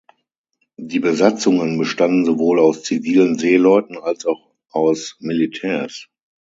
Die Besatzungen bestanden sowohl aus zivilen Seeleuten als auch aus Militärs.